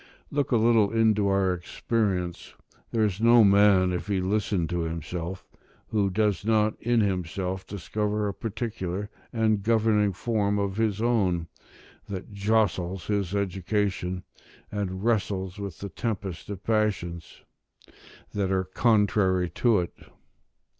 Look a little into our experience: there is no man, if he listen to himself, who does not in himself discover a particular and governing form of his own, that jostles his education, and wrestles with the tempest of passions that are contrary to it.